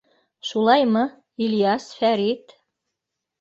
Шулаймы, Ильяс, Фәрит?!